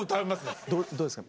どうですか？